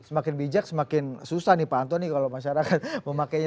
semakin bijak semakin susah nih pak antoni kalau masyarakat memakainya